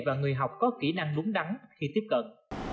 và người học có kỹ năng đúng đắn khi tiếp cận